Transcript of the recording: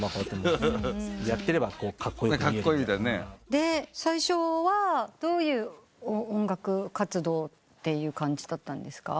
で最初はどういう音楽活動って感じだったんですか？